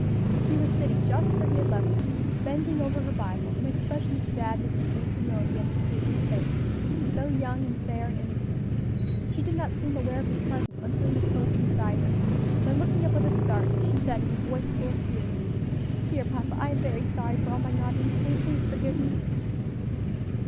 She was sitting just where he had left her, bending over her Bible, an expression of sadness and deep humility on the sweet little face, so young and fair and innocent. She did not seem aware of his presence until he was close beside her, when, looking up with a start, she said in a voice full of tears, "Dear papa, I am very sorry for all my naughtiness; will you please forgive me?"